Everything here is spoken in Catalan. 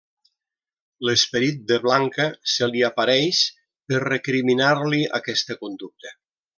L'esperit de Blanca se li apareix per recriminar-li aquesta conducta.